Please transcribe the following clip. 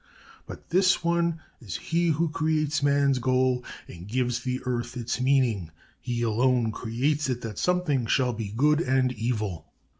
But this one is he who creates Man's goal, and gives the Earth its meaning: he alone creates it that something shall be good and evil.'